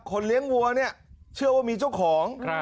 เลี้ยงวัวเนี่ยเชื่อว่ามีเจ้าของ